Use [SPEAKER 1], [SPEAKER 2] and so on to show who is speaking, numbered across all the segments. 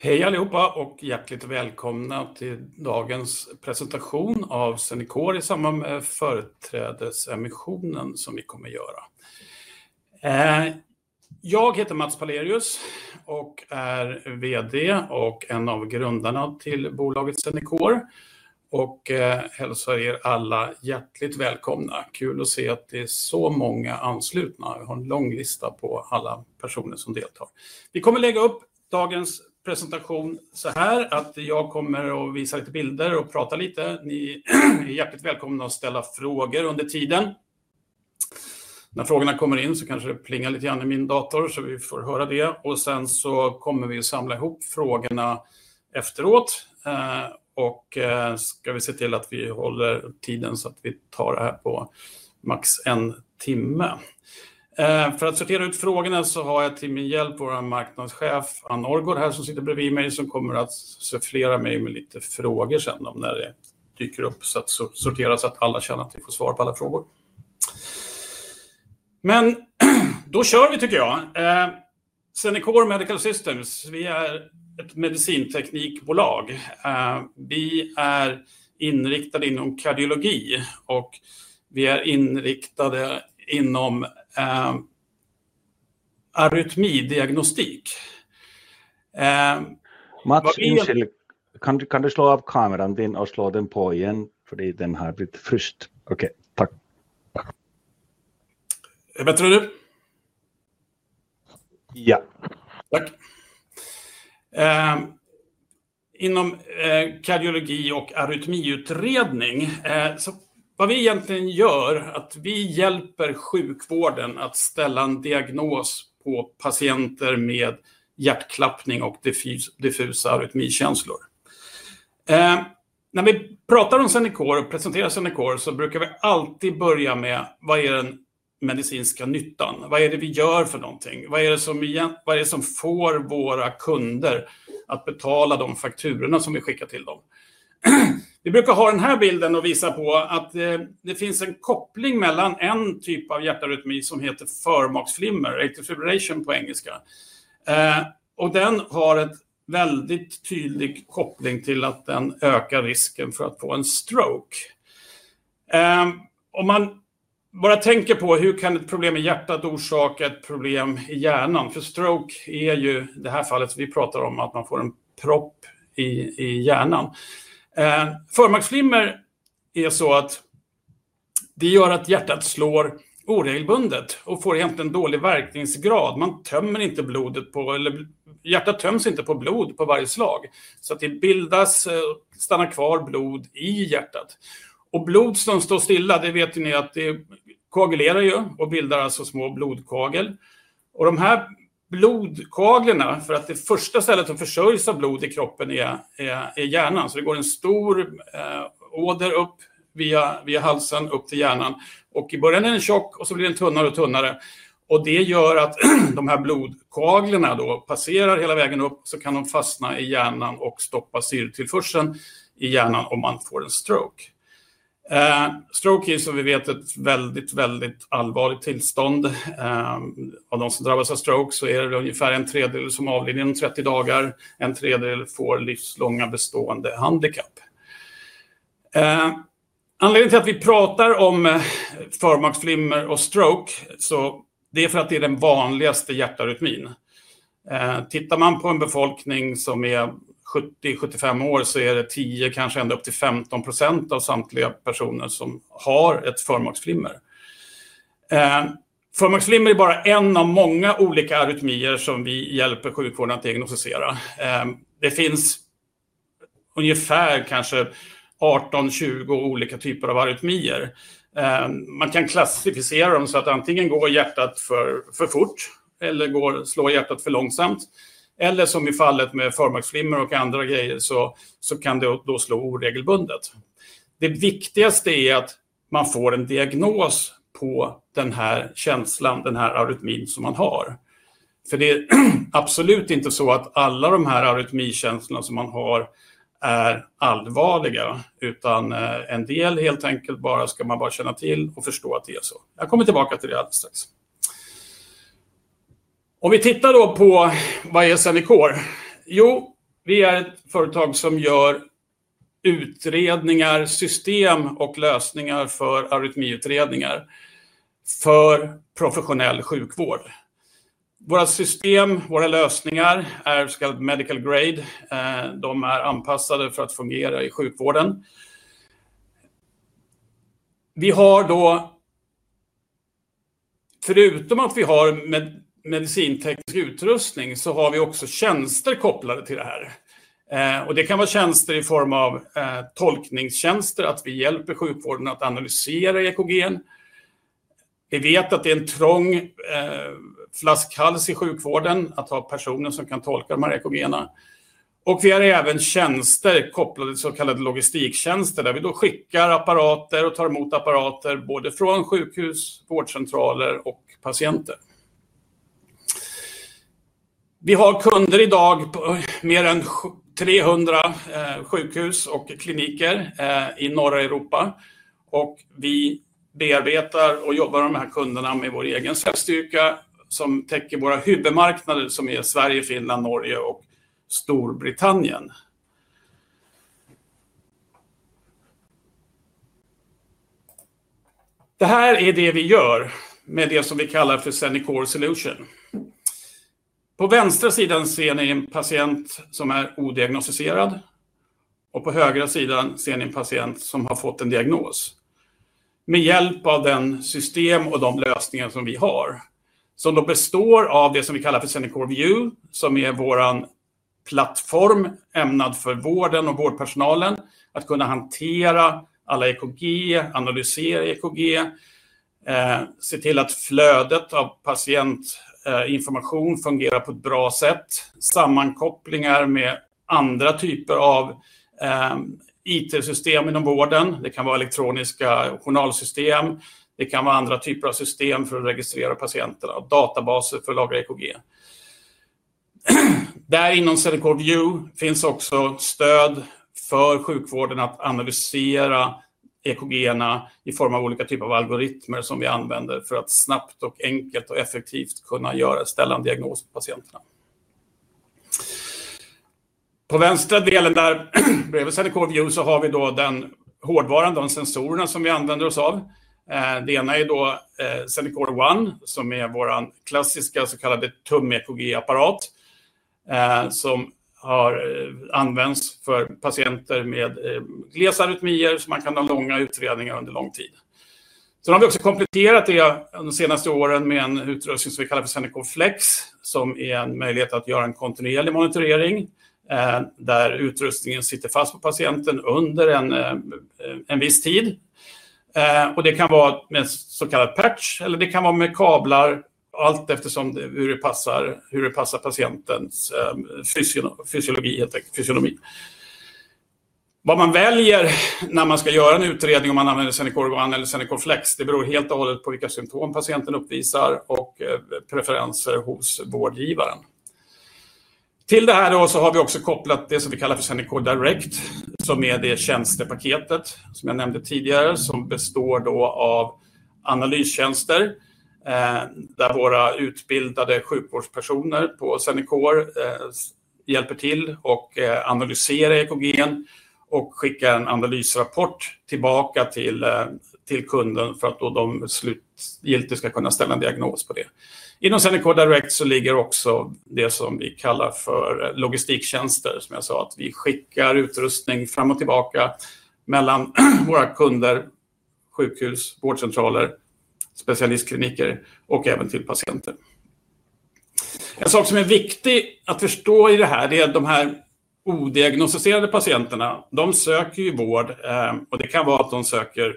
[SPEAKER 1] Hej allihopa och hjärtligt välkomna till dagens presentation av Zenicor i samband med företrädesemissionen som vi kommer att göra. Jag heter Mats Palerius och är VD och en av grundarna till bolaget Zenicor, och hälsar alla hjärtligt välkomna. Kul att se att det är så många anslutna. Vi har en lång lista på alla personer som deltar. Vi kommer att lägga upp dagens presentation så här: att jag kommer att visa lite bilder och prata lite. Ni är hjärtligt välkomna att ställa frågor under tiden. När frågorna kommer in så kanske det plingar lite grann i min dator, så vi får höra det. Sen så kommer vi att samla ihop frågorna efteråt. Ska vi se till att vi håller tiden så att vi tar det här på max en timme. För att sortera ut frågorna så har jag till min hjälp vår marknadschef, Ann Orgår, här som sitter bredvid mig, som kommer att sufflera mig med lite frågor sen när det dyker upp. Så att sortera så att alla känner att vi får svar på alla frågor. Men då kör vi, tycker jag. Zenicor Medical Systems, vi är ett medicinteknikbolag. Vi är inriktade inom kardiologi och vi är inriktade inom arytmidiagnostik. Mats, kan du slå av kameran och slå den på igen? För den har blivit först... Okej, tack. Vad tror du? Ja. Tack. Inom kardiologi och arytmiutredning så vad vi egentligen gör är att vi hjälper sjukvården att ställa en diagnos på patienter med hjärtklappning och diffusa arytmikänslor. När vi pratar om Zenicor och presenterar Zenicor så brukar vi alltid börja med: Vad är den medicinska nyttan? Vad är det vi gör för någonting? Vad är det som får våra kunder att betala de fakturorna som vi skickar till dem? Vi brukar ha den här bilden och visa på att det finns en koppling mellan en typ av hjärtarytmi som heter förmaksflimmer, atrial fibrillation på engelska. Och den har en väldigt tydlig koppling till att den ökar risken för att få en stroke. Om man bara tänker på hur kan ett problem i hjärtat orsaka ett problem i hjärnan? För stroke är ju det här fallet vi pratar om att man får en propp i hjärnan. Förmaksflimmer är så att det gör att hjärtat slår oregelbundet och får egentligen dålig verkningsgrad. Man tömmer inte blodet på, eller hjärtat töms inte på blod på varje slag. Så att det bildas och stannar kvar blod i hjärtat. Och blod som står stilla, det vet ni att det koagulerar ju och bildar alltså små blodkagel. Och de här blodkaglarna, för att det första stället som försörjs av blod i kroppen är hjärnan. Så det går en stor åder upp via halsen upp till hjärnan. Och i början är den tjock och så blir den tunnare och tunnare. Och det gör att de här blodkaglarna då passerar hela vägen upp, så kan de fastna i hjärnan och stoppa syretillförseln i hjärnan om man får en stroke. Stroke är ju som vi vet ett väldigt, väldigt allvarligt tillstånd. Av de som drabbas av stroke så är det ungefär en tredjedel som avlider inom 30 dagar. En tredjedel får livslånga bestående handikapp. Anledningen till att vi pratar om förmaksflimmer och stroke, så det är för att det är den vanligaste hjärtarytmin. Tittar man på en befolkning som är 70-75 år så är det 10%, kanske ända upp till 15% av samtliga personer som har ett förmaksflimmer. Förmaksflimmer är bara en av många olika arytmier som vi hjälper sjukvården att diagnostisera. Det finns ungefär kanske 18-20 olika typer av arytmier. Man kan klassificera dem så att antingen går hjärtat för fort eller slår hjärtat för långsamt. Eller som i fallet med förmaksflimmer och andra grejer så kan det då slå oregelbundet. Det viktigaste är att man får en diagnos på den här känslan, den här arytmin som man har. För det är absolut inte så att alla de här arytmikänslorna som man har är allvarliga, utan en del helt enkelt bara ska man bara känna till och förstå att det är så. Jag kommer tillbaka till det alldeles strax. Om vi tittar då på vad är Zenicor? Jo, vi är ett företag som gör utredningar, system och lösningar för arytmiutredningar för professionell sjukvård. Våra system, våra lösningar är så kallade medical grade. De är anpassade för att fungera i sjukvården. Vi har då förutom att vi har medicinteknisk utrustning så har vi också tjänster kopplade till det här. Och det kan vara tjänster i form av tolkningstjänster, att vi hjälper sjukvården att analysera EKG. Vi vet att det är en trång flaskhals i sjukvården att ha personer som kan tolka de här EKG. Och vi har även tjänster kopplade till så kallade logistiktjänster där vi då skickar apparater och tar emot apparater både från sjukhus, vårdcentraler och patienter. Vi har kunder idag på mer än 300 sjukhus och kliniker i norra Europa. Och vi bearbetar och jobbar med de här kunderna med vår egen säljstyrka som täcker våra huvudmarknader som är Sverige, Finland, Norge och Storbritannien. Det här är det vi gör med det som vi kallar för Zenicor Solution. På vänstra sidan ser ni en patient som är odiagnostiserad. Och på högra sidan ser ni en patient som har fått en diagnos. Med hjälp av den system och de lösningar som vi har, som då består av det som vi kallar för Zenicor View, som är vår plattform ämnad för vården och vårdpersonalen att kunna hantera alla EKG, analysera EKG. Se till att flödet av patientinformation fungerar på ett bra sätt, sammankopplingar med andra typer av IT-system inom vården. Det kan vara elektroniska journalsystem. Det kan vara andra typer av system för att registrera patienter och databaser för att lagra EKG. Där inom Zenicor View finns också stöd för sjukvården att analysera EKG i form av olika typer av algoritmer som vi använder för att snabbt och enkelt och effektivt kunna göra ställa en diagnos på patienterna. På vänstra delen där bredvid Zenicor View så har vi då den hårdvaran, de sensorerna som vi använder oss av. Det ena är då Zenicor One, som är vår klassiska så kallade tum-EKG-apparat som har använts för patienter med glesa arytmier som man kan ha långa utredningar under lång tid. Sen har vi också kompletterat det de senaste åren med en utrustning som vi kallar för Zenicor Flex, som är en möjlighet att göra en kontinuerlig monitorering där utrustningen sitter fast på patienten under en viss tid. Och det kan vara med så kallad patch eller det kan vara med kablar, allt eftersom hur det passar patientens fysiologi. Vad man väljer när man ska göra en utredning om man använder Zenicor One eller Zenicor Flex, det beror helt och hållet på vilka symptom patienten uppvisar och preferenser hos vårdgivaren. Till det här då så har vi också kopplat det som vi kallar för Zenicor Direct, som är det tjänstepaketet som jag nämnde tidigare, som består då av analystjänster där våra utbildade sjukvårdspersoner på Zenicor hjälper till och analyserar EKG och skickar en analysrapport tillbaka till kunden för att då de slutgiltigt ska kunna ställa en diagnos på det. Inom Zenicor Direct så ligger också det som vi kallar för logistiktjänster, som jag sa, att vi skickar utrustning fram och tillbaka mellan våra kunder, sjukhus, vårdcentraler, specialistkliniker och även till patienter. En sak som är viktig att förstå i det här, det är att de här odiagnostiserade patienterna, de söker ju vård och det kan vara att de söker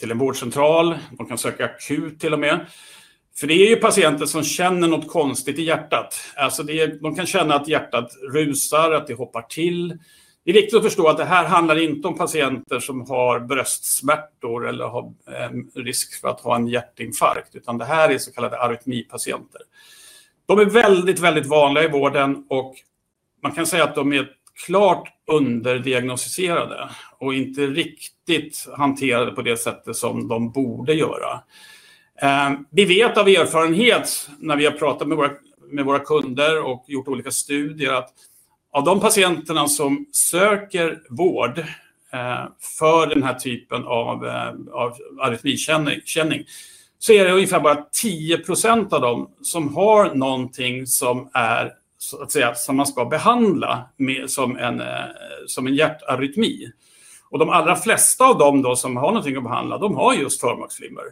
[SPEAKER 1] till en vårdcentral, de kan söka akut till och med. För det är ju patienter som känner något konstigt i hjärtat. Alltså, de kan känna att hjärtat rusar, att det hoppar till. Det är viktigt att förstå att det här handlar inte om patienter som har bröstsmärtor eller har risk för att ha en hjärtinfarkt, utan det här är så kallade arytmipatienter. De är väldigt, väldigt vanliga i vården och man kan säga att de är klart underdiagnostiserade och inte riktigt hanterade på det sättet som de borde göra. Vi vet av erfarenhet när vi har pratat med våra kunder och gjort olika studier att av de patienterna som söker vård för den här typen av arytmikännlighet, så är det ungefär bara 10% av dem som har någonting som är så att säga som man ska behandla som en hjärtarytmi. Och de allra flesta av dem då som har någonting att behandla, de har just förmaksflimmer.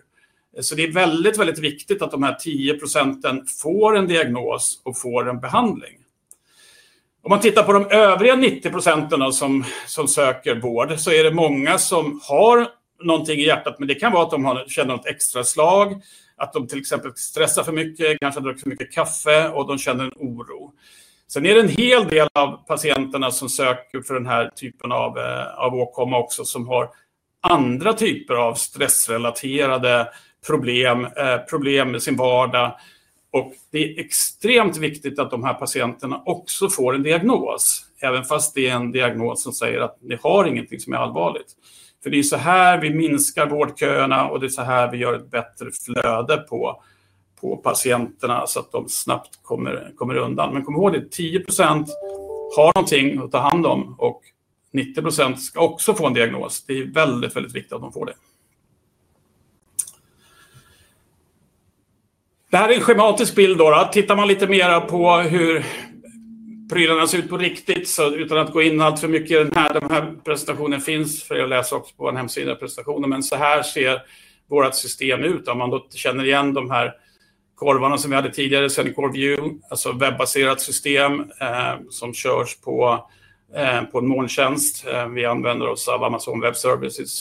[SPEAKER 1] Så det är väldigt, väldigt viktigt att de här 10% får en diagnos och får en behandling. Om man tittar på de övriga 90% som söker vård så är det många som har någonting i hjärtat, men det kan vara att de känner något extra slag, att de till exempel stressar för mycket, kanske har druckit för mycket kaffe och de känner en oro. Sen är det en hel del av patienterna som söker för den här typen av åkomma också, som har andra typer av stressrelaterade problem, problem med sin vardag. Och det är extremt viktigt att de här patienterna också får en diagnos, även fast det är en diagnos som säger att ni har ingenting som är allvarligt. För det är så här vi minskar vårdköerna och det är så här vi gör ett bättre flöde på patienterna så att de snabbt kommer undan. Men kom ihåg, det är 10% har någonting att ta hand om och 90% ska också få en diagnos. Det är väldigt, väldigt viktigt att de får det. Det här är en schematisk bild då. Tittar man lite mer på hur prylarna ser ut på riktigt, så utan att gå in alltför mycket i den här, den här presentationen finns för att läsa också på vår hemsida och presentationer. Men så här ser vårt system ut. Om man då känner igen de här korvarna som vi hade tidigare, Zenicor View, alltså webbaserat system som körs på en molntjänst. Vi använder oss av Amazon Web Services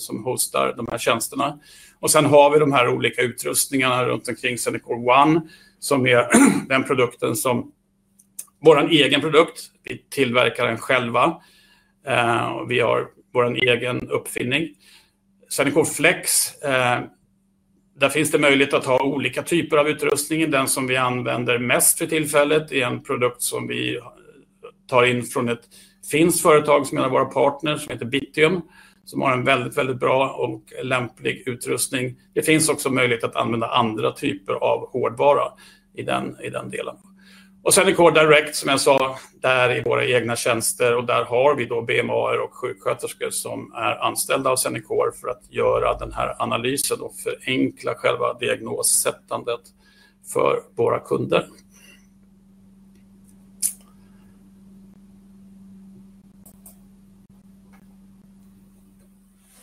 [SPEAKER 1] som hostar de här tjänsterna. Och sen har vi de här olika utrustningarna runt omkring Zenicor One, som är den produkten som vår egen produkt. Vi tillverkar den själva. Och vi har vår egen uppfinning. Zenicor Flex. Där finns det möjlighet att ha olika typer av utrustning. Den som vi använder mest för tillfället är en produkt som vi tar in från ett finskt företag som är en av våra partners, som heter Bittium, som har en väldigt, väldigt bra och lämplig utrustning. Det finns också möjlighet att använda andra typer av hårdvara i den delen. Och Zenicor Direct, som jag sa, där är våra egna tjänster och där har vi då BMA:er och sjuksköterskor som är anställda av Zenicor för att göra den här analysen och förenkla själva diagnosättandet för våra kunder.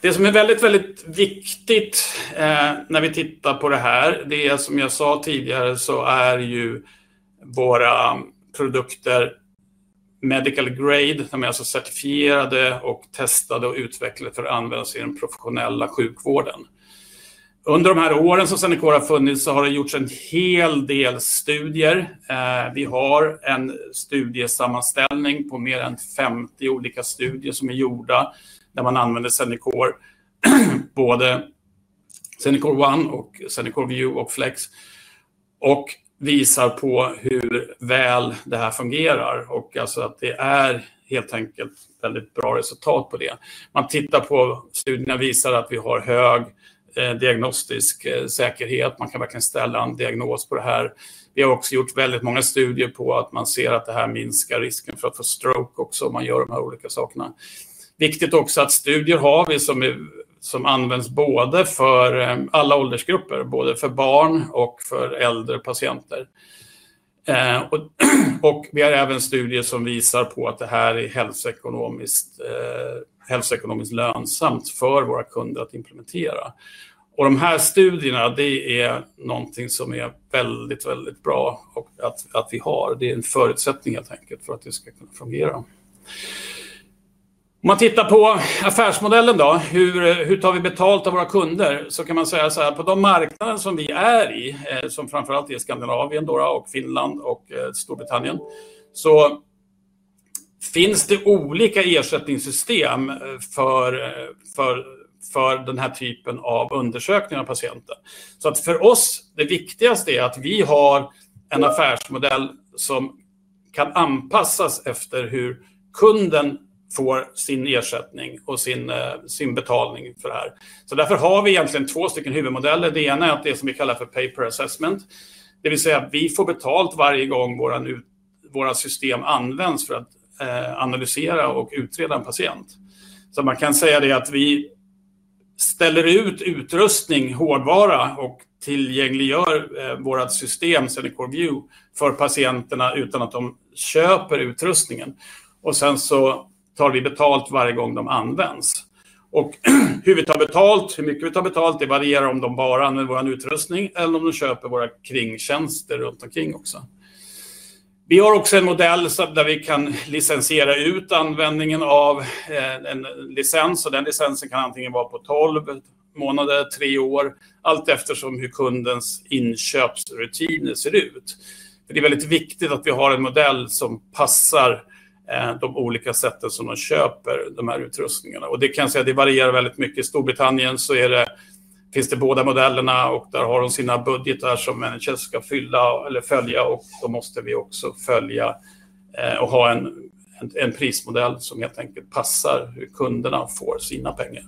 [SPEAKER 1] Det som är väldigt, väldigt viktigt när vi tittar på det här, det är som jag sa tidigare, så är ju våra produkter medical grade, de är alltså certifierade och testade och utvecklade för att användas i den professionella sjukvården. Under de här åren som Zenicor har funnits så har det gjorts en hel del studier. Vi har en studiesammanställning på mer än 50 olika studier som är gjorda där man använder Zenicor. Både Zenicor One och Zenicor View och Flex. Och visar på hur väl det här fungerar och alltså att det är helt enkelt väldigt bra resultat på det. Man tittar på studierna visar att vi har hög diagnostisk säkerhet, man kan verkligen ställa en diagnos på det här. Vi har också gjort väldigt många studier på att man ser att det här minskar risken för att få stroke också om man gör de här olika sakerna. Viktigt också att studier har vi som är som används både för alla åldersgrupper, både för barn och för äldre patienter. Och vi har även studier som visar på att det här är hälsoekonomiskt lönsamt för våra kunder att implementera. Och de här studierna, det är någonting som är väldigt, väldigt bra och att vi har, det är en förutsättning helt enkelt för att det ska kunna fungera. Om man tittar på affärsmodellen då, hur tar vi betalt av våra kunder? Så kan man säga så här, på de marknader som vi är i, som framförallt är Skandinavien då och Finland och Storbritannien, så finns det olika ersättningssystem för för för den här typen av undersökning av patienten. Så för oss, det viktigaste är att vi har en affärsmodell som kan anpassas efter hur kunden får sin ersättning och sin sin betalning för det här. Så därför har vi egentligen två stycken huvudmodeller. Det ena är att det som vi kallar för pay-per-assessment, det vill säga att vi får betalt varje gång våra system används för att analysera och utreda en patient. Så man kan säga det att vi ställer ut utrustning, hårdvara och tillgängliggör vårt system Zenicor View för patienterna utan att de köper utrustningen. Och sen så tar vi betalt varje gång de används. Och hur vi tar betalt, hur mycket vi tar betalt, det varierar om de bara använder vår utrustning eller om de köper våra kringtjänster runt omkring också. Vi har också en modell där vi kan licensiera ut användningen av en licens, och den licensen kan antingen vara på 12 månader, tre år, allt eftersom hur kundens inköpsrutiner ser ut. För det är väldigt viktigt att vi har en modell som passar de olika sätten som de köper de här utrustningarna. Och det kan jag säga, det varierar väldigt mycket. I Storbritannien så finns det båda modellerna, och där har de sina budgetar som managers ska fylla eller följa, och då måste vi också följa och ha en en prismodell som helt enkelt passar hur kunderna får sina pengar.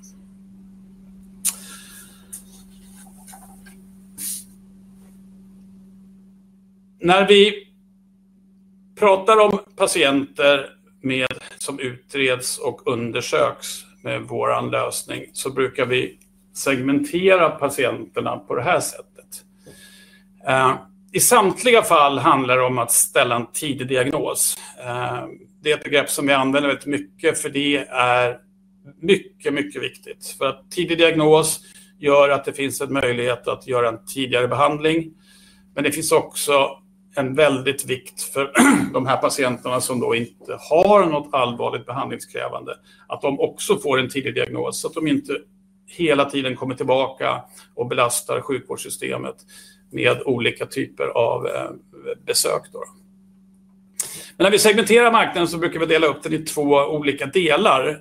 [SPEAKER 1] När vi pratar om patienter med som utreds och undersöks med vår lösning, så brukar vi segmentera patienterna på det här sättet. I samtliga fall handlar det om att ställa en tidig diagnos. Det är ett begrepp som vi använder väldigt mycket, för det är mycket, mycket viktigt. För att tidig diagnos gör att det finns en möjlighet att göra en tidigare behandling. Men det finns också en väldigt vikt för de här patienterna som då inte har något allvarligt behandlingskrävande, att de också får en tidig diagnos, så att de inte hela tiden kommer tillbaka och belastar sjukvårdssystemet med olika typer av besök då. Men när vi segmenterar marknaden så brukar vi dela upp den i två olika delar.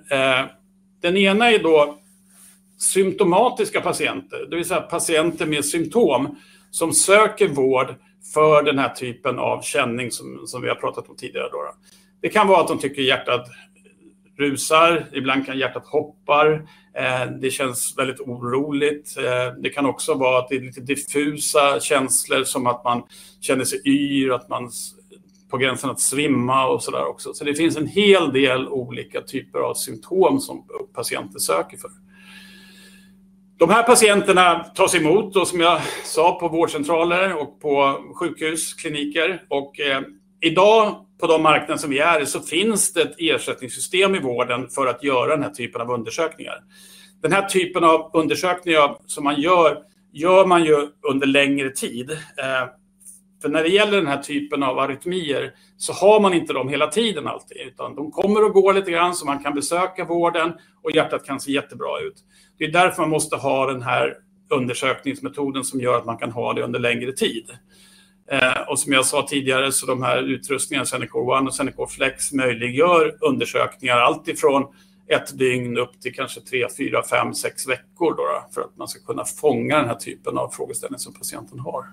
[SPEAKER 1] Den ena är då symptomatiska patienter, det vill säga patienter med symptom som söker vård för den här typen av känning som som vi har pratat om tidigare då. Det kan vara att de tycker att hjärtat rusar, ibland kan hjärtat hoppar, det känns väldigt oroligt. Det kan också vara att det är lite diffusa känslor, som att man känner sig yr, att man är på gränsen att svimma och så där också. Så det finns en hel del olika typer av symptom som patienter söker för. De här patienterna tas emot, och som jag sa, på vårdcentraler och på sjukhuskliniker. Och idag, på de marknader som vi är i, så finns det ett ersättningssystem i vården för att göra den här typen av undersökningar. Den här typen av undersökningar som man gör, gör man ju under längre tid. För när det gäller den här typen av arytmier så har man inte dem hela tiden alltid, utan de kommer och går lite grann, så man kan besöka vården och hjärtat kan se jättebra ut. Det är därför man måste ha den här undersökningsmetoden som gör att man kan ha det under längre tid. Och som jag sa tidigare, så de här utrustningarna, Zenicor One och Zenicor Flex, möjliggör undersökningar alltifrån ett dygn upp till kanske tre, fyra, fem, sex veckor då, för att man ska kunna fånga den här typen av frågeställningar som patienten har.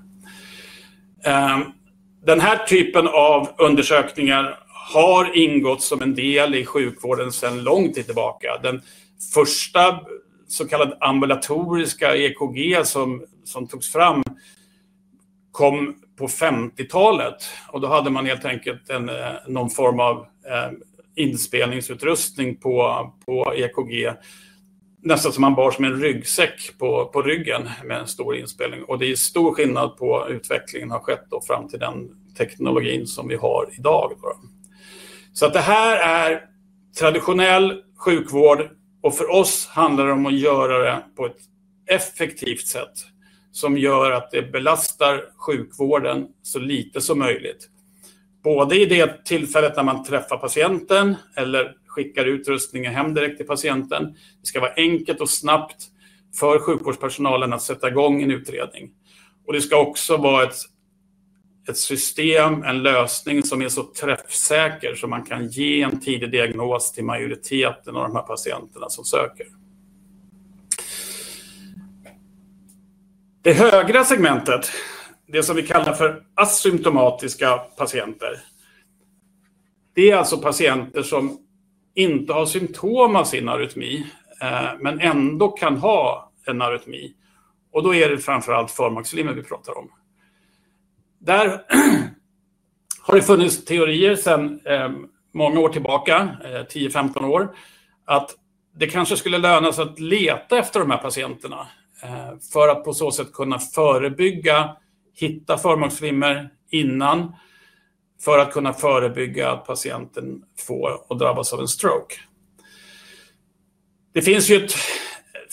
[SPEAKER 1] Den här typen av undersökningar har ingått som en del i sjukvården sedan lång tid tillbaka. Den första så kallade ambulatoriska EKG som som togs fram kom på 50-talet, och då hade man helt enkelt en någon form av inspelningsutrustning på på EKG. Nästan som man bar som en ryggsäck på på ryggen med en stor inspelning. Och det är stor skillnad på hur utvecklingen har skett då fram till den teknologin som vi har idag då. Så det här är traditionell sjukvård, och för oss handlar det om att göra det på ett effektivt sätt som gör att det belastar sjukvården så lite som möjligt. Både i det tillfället när man träffar patienten eller skickar utrustningen hem direkt till patienten. Det ska vara enkelt och snabbt för sjukvårdspersonalen att sätta igång en utredning. Och det ska också vara ett system, en lösning som är så träffsäker så man kan ge en tidig diagnos till majoriteten av de här patienterna som söker. Det högra segmentet, det som vi kallar för asymptomatiska patienter. Det är alltså patienter som inte har symptom av sin arytmi, men ändå kan ha en arytmi. Och då är det framförallt förmaksflimmer vi pratar om. Där har det funnits teorier sedan många år tillbaka, 10-15 år, att det kanske skulle löna sig att leta efter de här patienterna för att på så sätt kunna förebygga, hitta förmaksflimmer innan för att kunna förebygga att patienten får och drabbas av en stroke. Det finns ju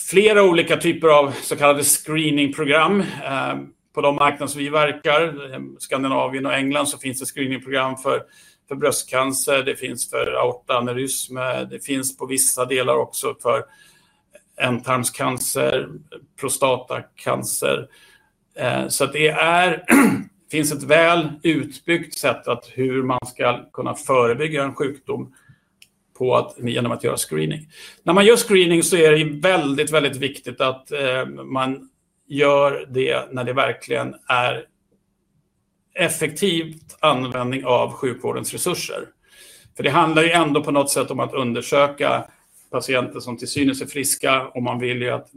[SPEAKER 1] flera olika typer av så kallade screeningprogram på de marknader som vi verkar. I Skandinavien och England så finns det screeningprogram för bröstcancer, det finns för aortaanalys med, det finns på vissa delar också för endtarmscancer, prostatacancer. Så det är finns ett väl utbyggt sätt att hur man ska kunna förebygga en sjukdom genom att göra screening. När man gör screening så är det ju väldigt, väldigt viktigt att man gör det när det verkligen är effektiv användning av sjukvårdens resurser. För det handlar ju ändå på något sätt om att undersöka patienter som till synes är friska, och man vill ju att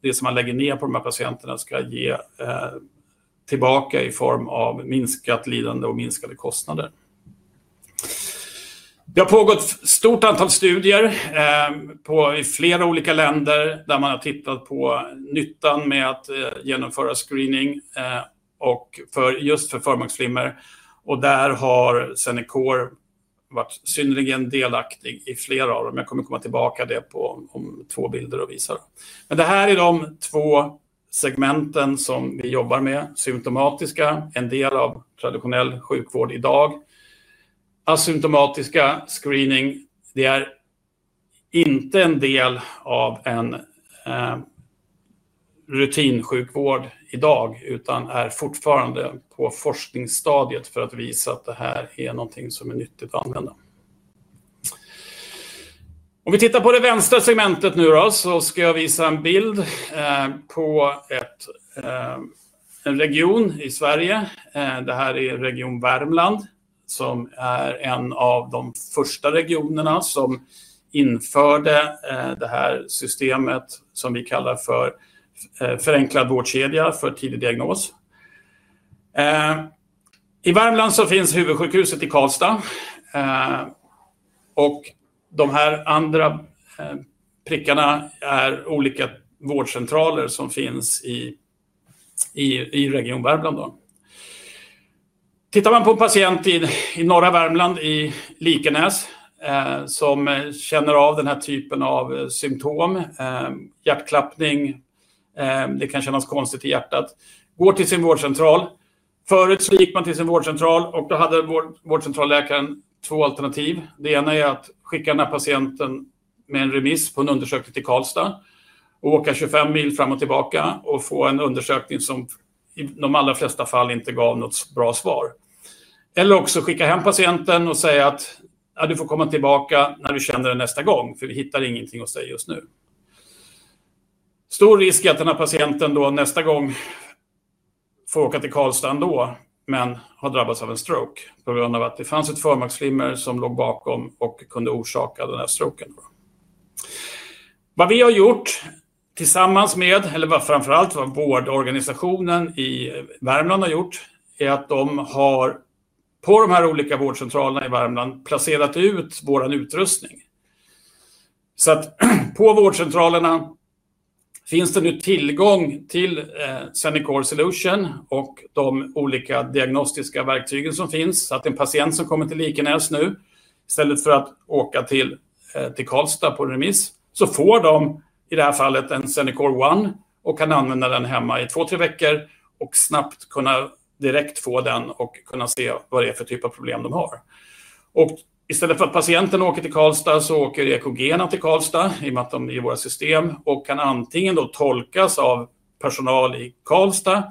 [SPEAKER 1] det som man lägger ner på de här patienterna ska ge tillbaka i form av minskat lidande och minskade kostnader. Det har pågått ett stort antal studier på i flera olika länder där man har tittat på nyttan med att genomföra screening och för just för förmaksflimmer. Och där har Zenicor varit synnerligen delaktig i flera av dem. Jag kommer komma tillbaka till det på om två bilder och visa. Men det här är de två segmenten som vi jobbar med: symptomatiska, en del av traditionell sjukvård idag. Asymptomatiska screening, det är inte en del av en rutinsjukvård idag, utan är fortfarande på forskningsstadiet för att visa att det här är någonting som är nyttigt att använda. Om vi tittar på det vänstra segmentet nu då, så ska jag visa en bild på ett en region i Sverige. Det här är region Värmland, som är en av de första regionerna som införde det här systemet som vi kallar för förenklad vårdkedja för tidig diagnos. I Värmland så finns huvudsjukhuset i Karlstad. Och de här andra prickarna är olika vårdcentraler som finns i i i region Värmland då. Tittar man på en patient i i norra Värmland i Likenäs, som känner av den här typen av symptom, hjärtklappning, det kan kännas konstigt i hjärtat, går till sin vårdcentral. Förut så gick man till sin vårdcentral och då hade vårdcentralläkaren två alternativ. Det ena är att skicka den här patienten med en remiss på en undersökning till Karlstad, och åka 25 mil fram och tillbaka och få en undersökning som i de allra flesta fall inte gav något bra svar. Eller också skicka hem patienten och säga att du får komma tillbaka när du känner det nästa gång, för vi hittar ingenting hos dig just nu. Stor risk är att den här patienten då nästa gång får åka till Karlstad ändå, men har drabbats av en stroke på grund av att det fanns ett förmaksflimmer som låg bakom och kunde orsaka den här stroken. Vad vi har gjort tillsammans med, eller vad framförallt vårdorganisationen i Värmland har gjort, är att de har på de här olika vårdcentralerna i Värmland placerat ut vår utrustning. Så att på vårdcentralerna finns det nu tillgång till Zenicor Solution och de olika diagnostiska verktygen som finns. Så att en patient som kommer till Likenäs nu, istället för att åka till till Karlstad på en remiss, så får de i det här fallet en Zenicor One och kan använda den hemma i två, tre veckor och snabbt kunna direkt få den och kunna se vad det är för typ av problem de har. Och istället för att patienten åker till Karlstad så åker EKG-an till Karlstad, i och med att de är i våra system, och kan antingen då tolkas av personal i Karlstad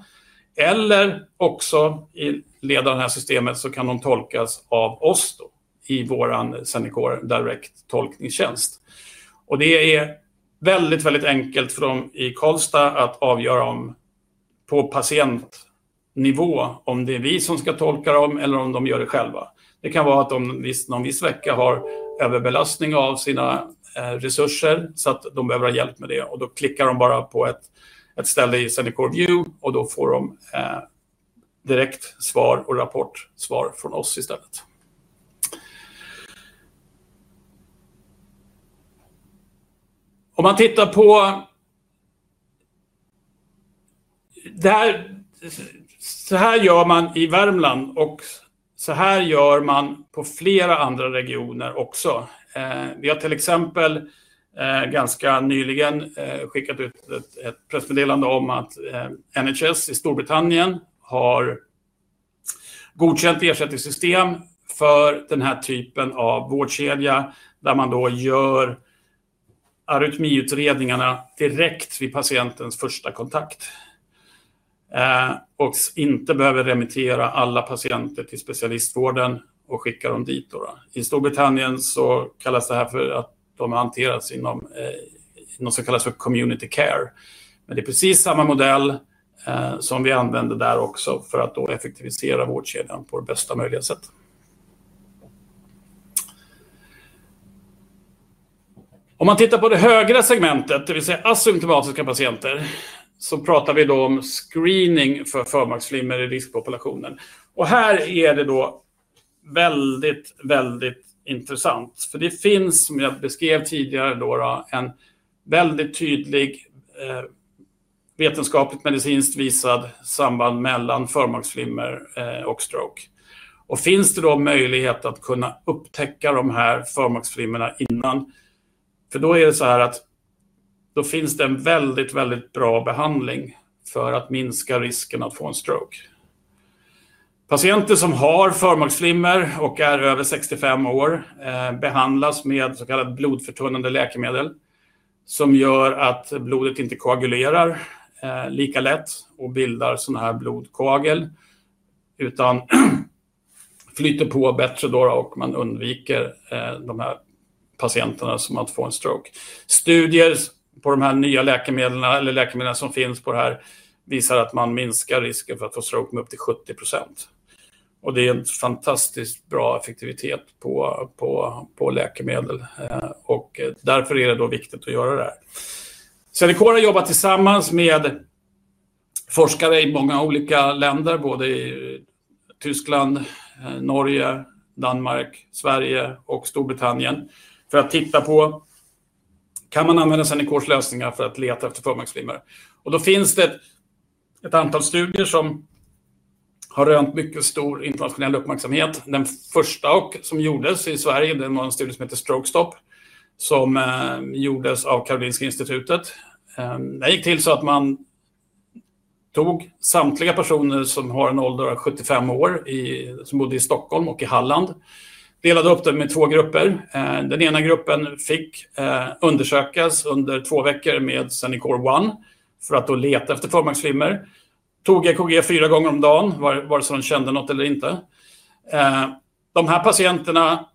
[SPEAKER 1] eller också i led av det här systemet så kan de tolkas av oss då i vår Zenicor Direct tolkningstjänst. Och det är väldigt, väldigt enkelt för dem i Karlstad att avgöra om på patientnivå om det är vi som ska tolka dem eller om de gör det själva. Det kan vara att de någon viss vecka har överbelastning av sina resurser så att de behöver ha hjälp med det, och då klickar de bara på ett ställe i Zenicor View och då får de direkt svar och rapportsvar från oss istället. Om man tittar på det här. Så här gör man i Värmland och så här gör man på flera andra regioner också. Vi har till exempel ganska nyligen skickat ut ett pressmeddelande om att NHS i Storbritannien har godkänt ersättningssystem för den här typen av vårdkedja där man då gör arytmiutredningarna direkt vid patientens första kontakt och inte behöver remittera alla patienter till specialistvården och skicka dem dit då. I Storbritannien så kallas det här för att de hanteras inom något som kallas för community care. Men det är precis samma modell som vi använder där också för att då effektivisera vårdkedjan på det bästa möjliga sätt. Om man tittar på det högra segmentet, det vill säga asymptomatiska patienter, så pratar vi då om screening för förmaksflimmer i riskpopulationen. Och här är det då väldigt, väldigt intressant. För det finns, som jag beskrev tidigare då, en väldigt tydlig vetenskapligt medicinskt visad samband mellan förmaksflimmer och stroke. Och finns det då möjlighet att kunna upptäcka de här förmaksflimmerna innan? För då är det så här att då finns det en väldigt, väldigt bra behandling för att minska risken att få en stroke. Patienter som har förmaksflimmer och är över 65 år behandlas med så kallade blodförtunnande läkemedel som gör att blodet inte koagulerar lika lätt och bildar sådana här blodkoagel utan flyter på bättre då och man undviker de här patienterna som att få en stroke. Studier på de här nya läkemedlen eller läkemedlen som finns på det här visar att man minskar risken för att få stroke med upp till 70%. Och det är en fantastiskt bra effektivitet på på på läkemedel. Och därför är det då viktigt att göra det här. Zenicor har jobbat tillsammans med forskare i många olika länder, både i Tyskland, Norge, Danmark, Sverige och Storbritannien, för att titta på kan man använda Zenicors lösningar för att leta efter förmaksflimmer? Och då finns det ett ett antal studier som har rönt mycket stor internationell uppmärksamhet. Den första och som gjordes i Sverige, den var en studie som heter Stroke Stop, som gjordes av Karolinska Institutet. Den gick till så att man tog samtliga personer som har en ålder av 75 år, som bodde i Stockholm och i Halland, delade upp dem i två grupper. Den ena gruppen fick undersökas under två veckor med Zenicor One för att då leta efter förmaksflimmer. Tog EKG fyra gånger om dagen, vare sig de kände något eller inte. De här patienterna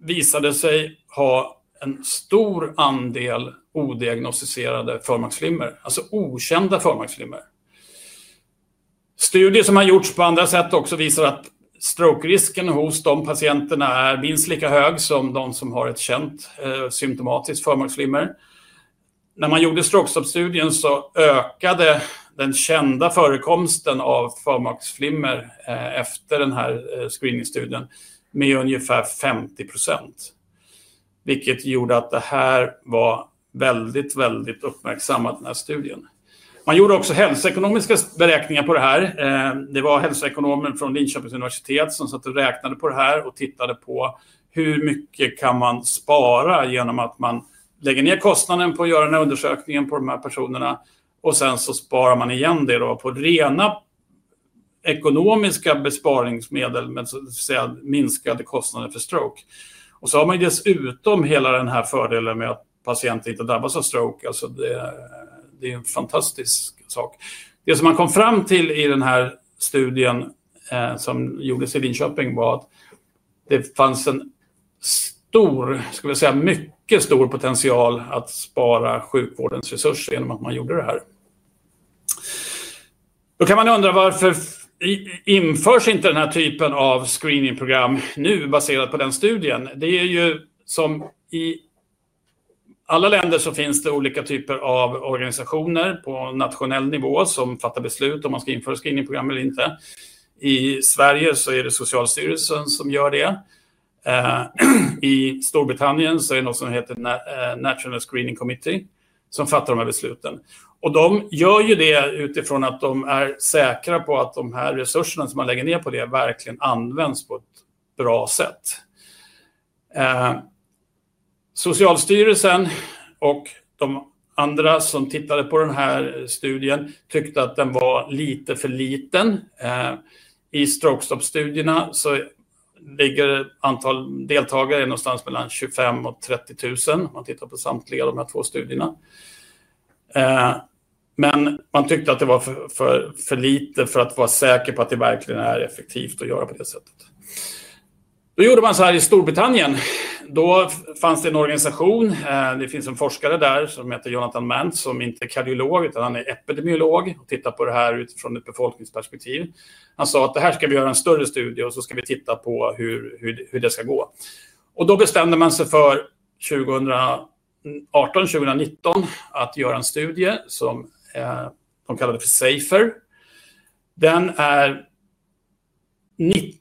[SPEAKER 1] visade sig ha en stor andel odiagnostiserade förmaksflimmer, alltså okända förmaksflimmer. Studier som har gjorts på andra sätt också visar att strokerisken hos de patienterna är minst lika hög som de som har ett känt symptomatiskt förmaksflimmer. När man gjorde Stroke Stop-studien så ökade den kända förekomsten av förmaksflimmer efter den här screeningstudien med ungefär 50%. Vilket gjorde att det här var väldigt, väldigt uppmärksammat, den här studien. Man gjorde också hälsoekonomiska beräkningar på det här. Det var hälsoekonomen från Linköpings universitet som satt och räknade på det här och tittade på hur mycket kan man spara genom att man lägger ner kostnaden på att göra den här undersökningen på de här personerna, och sen så sparar man igen det då på rena ekonomiska besparingsmedel, men så att säga minskade kostnader för stroke. Och så har man ju dessutom hela den här fördelen med att patienter inte drabbas av stroke. Alltså, det är ju en fantastisk sak. Det som man kom fram till i den här studien som gjordes i Linköping var att det fanns en stor, skulle jag säga, mycket stor potential att spara sjukvårdens resurser genom att man gjorde det här. Då kan man undra varför införs inte den här typen av screeningprogram nu baserat på den studien? Det är ju som i alla länder så finns det olika typer av organisationer på nationell nivå som fattar beslut om man ska införa screeningprogram eller inte. I Sverige så är det Socialstyrelsen som gör det. I Storbritannien så är det något som heter National Screening Committee som fattar de här besluten. Och de gör ju det utifrån att de är säkra på att de här resurserna som man lägger ner på det verkligen används på ett bra sätt. Socialstyrelsen och de andra som tittade på den här studien tyckte att den var lite för liten. I Stroke Stop-studierna så ligger det antal deltagare någonstans mellan 25 och 30 000 om man tittar på samtliga av de här två studierna. Men man tyckte att det var för för lite för att vara säker på att det verkligen är effektivt att göra på det sättet. Då gjorde man så här i Storbritannien. Då fanns det en organisation. Det finns en forskare där som heter Jonathan Mantz, som inte är kardiolog utan han är epidemiolog och tittar på det här utifrån ett befolkningsperspektiv. Han sa att det här ska vi göra en större studie och så ska vi titta på hur hur det ska gå. Och då bestämde man sig för 2018-2019 att göra en studie som de kallade för SAFER. Den är 90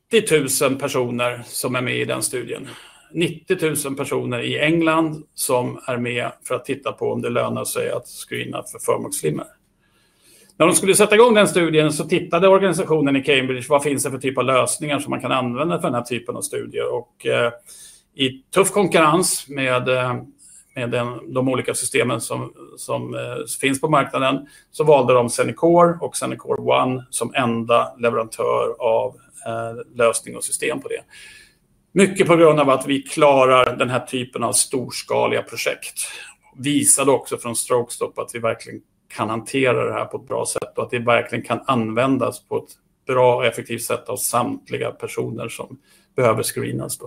[SPEAKER 1] 000 personer som är med i den studien. 90 000 personer i England som är med för att titta på om det lönar sig att screena för förmaksflimmer. När de skulle sätta igång den studien så tittade organisationen i Cambridge på vad finns det för typ av lösningar som man kan använda för den här typen av studier. Och i tuff konkurrens med med de olika systemen som som finns på marknaden så valde de Zenicor och Zenicor One som enda leverantör av lösning och system på det. Mycket på grund av att vi klarar den här typen av storskaliga projekt. Visade också från Stroke Stop att vi verkligen kan hantera det här på ett bra sätt och att det verkligen kan användas på ett bra och effektivt sätt av samtliga personer som behöver screenas.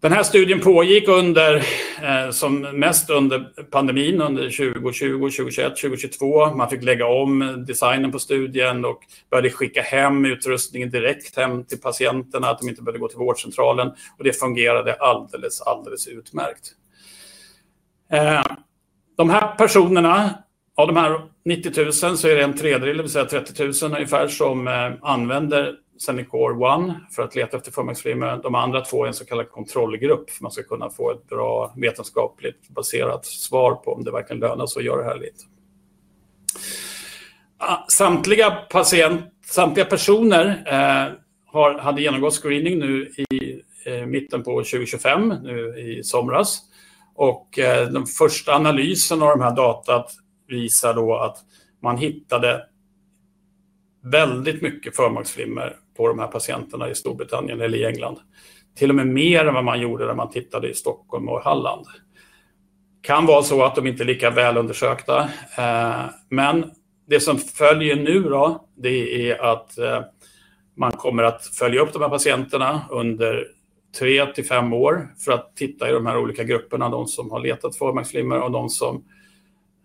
[SPEAKER 1] Den här studien pågick under, som mest under pandemin under 2020, 2021, 2022. Man fick lägga om designen på studien och började skicka hem utrustningen direkt hem till patienterna att de inte behövde gå till vårdcentralen. Och det fungerade alldeles, alldeles utmärkt. De här personerna, av de här 90 000, så är det en tredjedel, det vill säga 30 000 ungefär, som använder Zenicor One för att leta efter förmaksflimmer. De andra två är en så kallad kontrollgrupp för att man ska kunna få ett bra vetenskapligt baserat svar på om det verkligen lönar sig att göra det här lite. Samtliga personer hade genomgått screening nu i mitten på 2025, nu i somras. Och den första analysen av de här datat visar då att man hittade väldigt mycket förmaksflimmer på de här patienterna i Storbritannien eller i England. Till och med mer än vad man gjorde när man tittade i Stockholm och Halland. Det kan vara så att de inte är lika välundersökta. Men det som följer nu då, det är att man kommer att följa upp de här patienterna under tre till fem år för att titta i de här olika grupperna, de som har letat förmaksflimmer och de som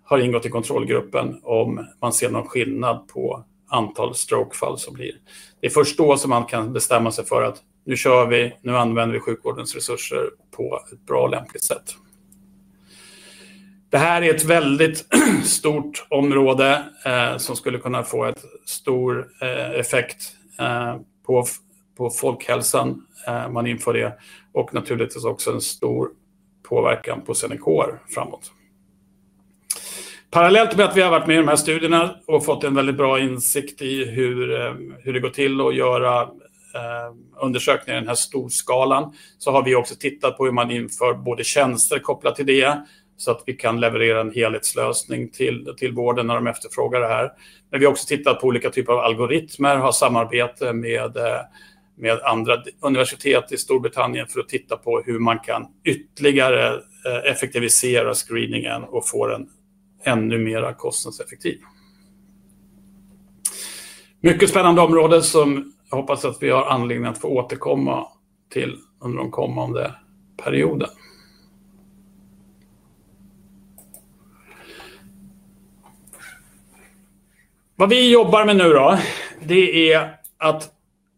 [SPEAKER 1] har ingått i kontrollgruppen, om man ser någon skillnad på antal stroke-fall som blir. Det är först då som man kan bestämma sig för att nu kör vi, nu använder vi sjukvårdens resurser på ett bra och lämpligt sätt. Det här är ett väldigt stort område som skulle kunna få en stor effekt på på folkhälsan om man inför det. Och naturligtvis också en stor påverkan på Zenicor framåt. Parallellt med att vi har varit med i de här studierna och fått en väldigt bra insikt i hur hur det går till att göra undersökningar i den här storskalan, så har vi också tittat på hur man inför både tjänster kopplat till det, så att vi kan leverera en helhetslösning till till vården när de efterfrågar det här. Men vi har också tittat på olika typer av algoritmer, har samarbete med med andra universitet i Storbritannien för att titta på hur man kan ytterligare effektivisera screeningen och få den ännu mera kostnadseffektiv. Mycket spännande område som jag hoppas att vi har anledning att få återkomma till under de kommande perioderna. Vad vi jobbar med nu då, det är att